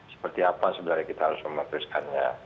seperti apa sebenarnya kita harus memutuskannya